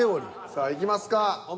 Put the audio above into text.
さあいきますか。